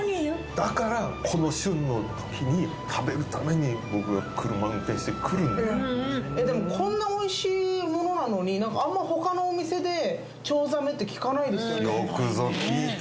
だからこの旬の時に食べるために僕は車運転してくるえっでもこんなおいしいものなのに何かあんま他のお店でチョウザメって聞かないですよね